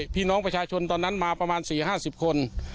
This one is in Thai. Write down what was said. พี่น้องประชาชนตอนนั้นมาประมาณ๔๕๐คน